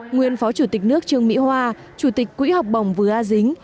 nguyên phó chủ tịch nước trương mỹ hoa chủ tịch quỹ học bổng vừa a dính